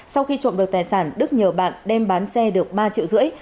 sau khi trộm được tài sản đức nhờ bạn đem bán xe được ba triệu rưỡi